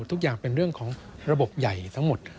ทุกอย่างเป็นเรื่องของระบบใหญ่ทั้งหมด